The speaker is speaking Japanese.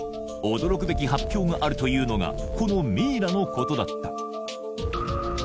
驚くべき発表があるというのがこのミイラのことだった